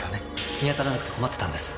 見当たらなくて困ってたんです。